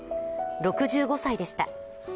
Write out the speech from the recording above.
６５歳でした。